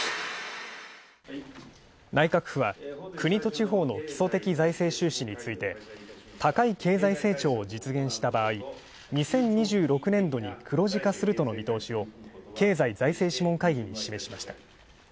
内閣府は国と地方の基礎的財政収支について高い経済成長を実現した場合、２０２６年度に黒字化するとの見通しを経済財政諮問会議に示しました。